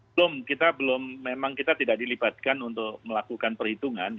belum kita belum memang kita tidak dilibatkan untuk melakukan perhitungan